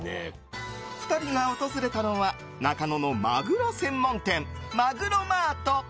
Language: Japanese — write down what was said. ２人が訪れたのは中野のマグロ専門店マグロマート。